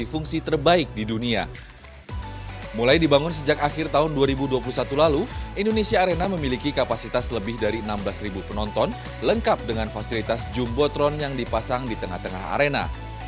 mulai dibangun sejak akhir tahun dua ribu dua puluh satu lalu indonesia arena memiliki kapasitas lebih dari enam belas penonton lengkap dengan fasilitas jumbotron yang dipasang di tengah tengah arena